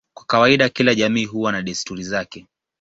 Kwa kawaida kila jamii huwa na desturi zake.